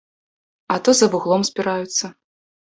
А то за вуглом збіраюцца.